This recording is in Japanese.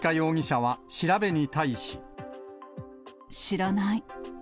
知らない。